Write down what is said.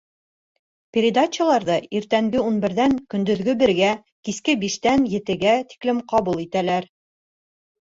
Передачаларҙы иртәнге ун берҙән көндөҙгө бергә, киске биштән етегә тиклем ҡабул итәләр.